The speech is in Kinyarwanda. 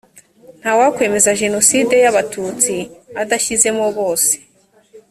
ntawakwemeza jenoside y abatutsi adashyizemo bose